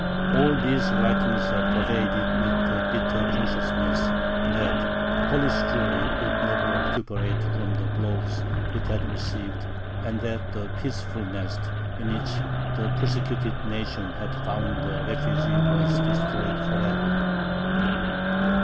All these writings are pervaded with the bitter consciousness that Polish Jewry would never recuperate from the blows it had received, and that the peaceful nest in which the persecuted nation had found a refuge was destroyed forever.